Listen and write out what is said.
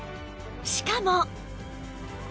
しかも